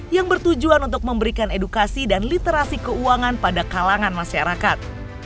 yang bertujuan untuk memberikan edukasi dan literasi keuangan pada kalangan masyarakat